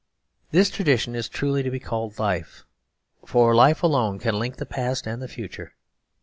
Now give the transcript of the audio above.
This tradition is truly to be called life; for life alone can link the past and the future.